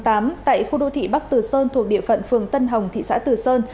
tại khu đô thị bắc tử sơn thuộc địa phận phường tân hồng thị xã từ sơn